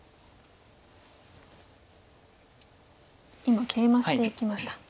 今ケイマしていきました。